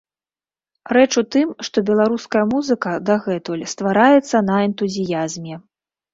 Рэч у тым, што беларуская музыка дагэтуль ствараецца на энтузіязме.